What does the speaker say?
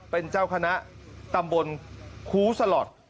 เป็นเจ้าคณะตำบลคูสล็อต